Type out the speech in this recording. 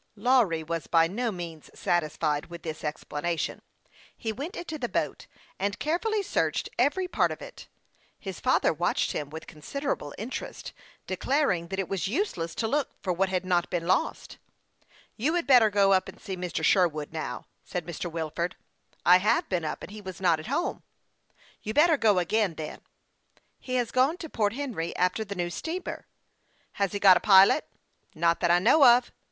Lawry was by no means satisfied with this ex planation. He went into the boat, and carefully searched every part of it. His father watched him with considerable interest, declaring that it was use less to look for what had not been lost. " You had better go up and see Mr. Sherwood now," said Mr. Wilford, as he seated himself on the platform of his boat. 5* 54 HASTE AND WASTE, OR " I have been up, and he was not at home." " You better go again, then." " He has gone to Port Henry after the new steamer." " Has he got a pilot ?"" Not that I know of."